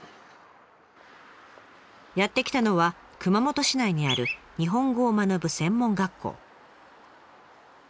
やって来たのは熊本市内にある日本語を学ぶ専門学校。